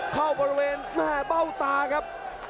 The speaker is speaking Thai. เข้าประเมินแม่เบ้าตาครับ